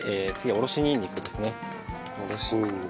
おろしにんにく入れて。